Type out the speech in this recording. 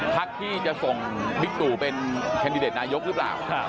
พักที่จะส่งบิ๊กตู่เป็นแคนดิเดตนายกหรือเปล่า